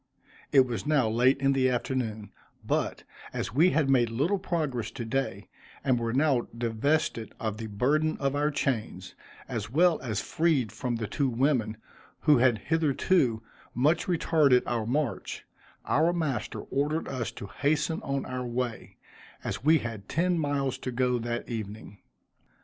It was now late in the afternoon; but, as we had made little progress to day, and were now divested of the burden of our chains, as well as freed from the two women, who had hitherto much retarded our march, our master ordered us to hasten on our way, as we had ten miles to go that evening.